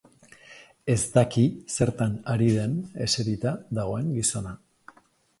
Ez daki zertan ari den eserita dagoen gizona.